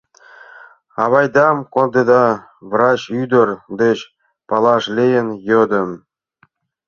— Авайдам кондеда? — врач ӱдыр деч палаш лийын йодым.